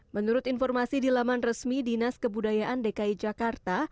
menurut informasi di laman resmi dinas kebudayaan dki jakarta